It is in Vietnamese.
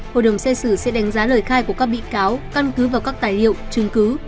hội đồng xét xử sẽ đánh giá lời khai của các bị cáo căn cứ vào các tài liệu chứng cứ